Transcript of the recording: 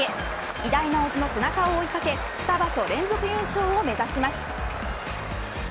偉大なおじの背中を追いかけ２場所連続優勝を目指します。